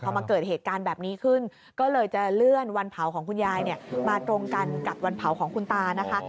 พอมาเกิดเหตุการณ์แบบนี้ขึ้นก็เลยจะเลื่อนวันเผาของคุณยายเนี่ยมาตรงกันกับวันเผาของคุณตานะคะ